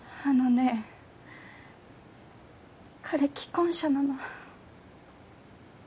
あのね彼既婚者なの。